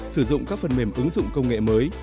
sử dụng các phần mềm ứng dụng công nghệ mới